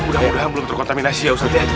mudah mudahan belum terkontaminasi ya ustadz ya